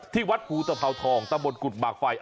ที่วัดภูตภาวทองตะบนกุฎหมากไฟ